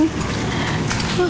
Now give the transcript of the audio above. iya ibu juga belum tau man